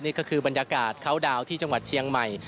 นี่ก็คือบรรยากาศเขาดาวน์ที่จังหวัดเชียงใหม่